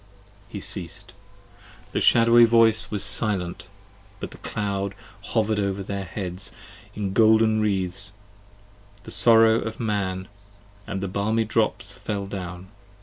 He ceas'd; the shadowy voice was silent: but the cloud hover'd over their heads In golden wreathes, the sorrow of Man; & the balmy drops fell down.